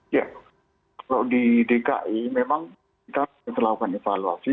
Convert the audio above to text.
ya kalau di dki memang kita harus melakukan evaluasi